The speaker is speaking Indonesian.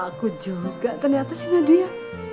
aku juga ternyata si nadia